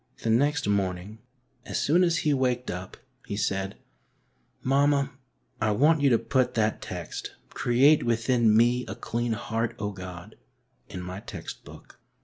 The next morning, as soon as he waked up, he said, Mamma, I want you to put that text, 'Create within me a clean heart, O God,' in my text book."